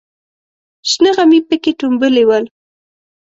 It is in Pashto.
شنه غمي پکې ټومبلې ول.